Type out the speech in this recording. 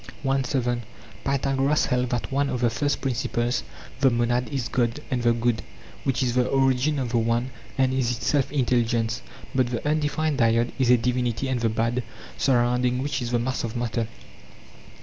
Aet. i. 7; Dox. 302. Pythagoras held that one of the first principles, the monad, is god and the good, which is the origin of the One, and is itself intelligence; but the undefined dyad is a divinity and the bad, surrounding which is the mass of matter.